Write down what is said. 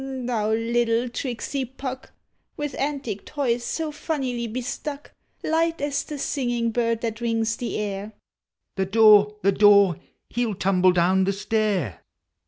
Thou little tricksy Puck! With antic toys so funnily besluck, Light as the singing bird that rings the air. (The door! the door! he 11 tumble down the stair!)